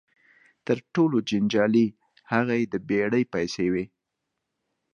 تر ټولو جنجالي هغه یې د بېړۍ پیسې وې.